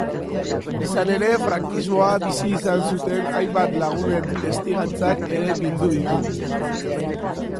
Izan ere, frankismoa bizi izan zuten hainbat lagunen testigantzak ere bildu ditugu.